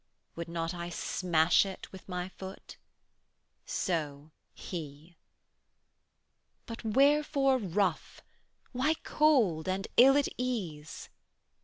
125 Would not I smash it with my foot? So He. But wherefore rough, why cold and ill at ease?